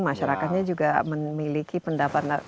masyarakatnya juga memiliki pendapatan